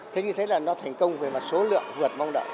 thế như thế là nó thành công về mặt số lượng vượt mong đợi